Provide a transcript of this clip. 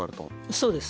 そうです。